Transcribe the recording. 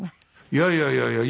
いやいやいやいや。